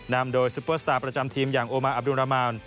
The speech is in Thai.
นำโดยซุปเปอร์สตาร์ประจำทีมอย่างโอมาอับดุรามาน